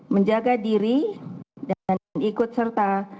menjaga diri dan ikut serta